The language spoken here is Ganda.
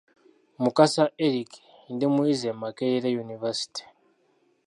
Mukasa Eric ndi muyizi e Makekere University.